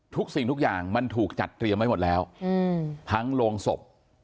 สิ่งทุกอย่างมันถูกจัดเตรียมไว้หมดแล้วทั้งโรงศพ